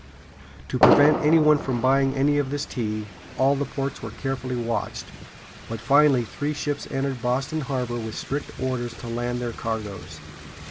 To prevent any one from buying any of this tea, all the ports were carefully watched; but finally three ships entered Boston harbor with strict orders to land their cargoes.